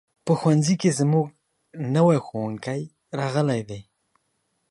په ښوونځي کې زموږ نوی ښوونکی راغلی دی.